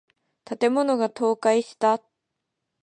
建物が倒壊した。